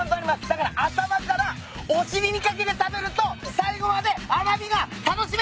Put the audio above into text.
だから頭からお尻にかけて食べると最後まで甘味が楽しめて頂けます！